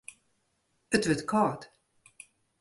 It wurdt kâld.